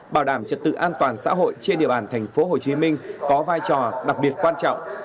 bảo đảm trật tự an toàn xã hội trên địa bàn tp hcm có vai trò đặc biệt quan trọng